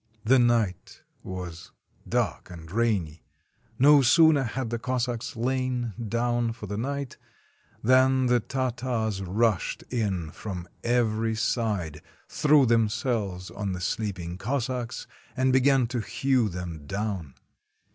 The night was dark and rainy. No sooner had the Cossacks lain down for the night, than the Tartars rushed in from every side, threw themselves on the sleeping Cossacks, and began to hew them down.